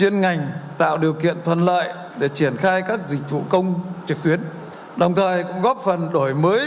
mở điều kiện thuận lợi để triển khai các dịch vụ công trực tuyến đồng thời cũng góp phần đổi mới